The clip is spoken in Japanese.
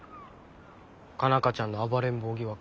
佳奈花ちゃんの暴れん坊疑惑。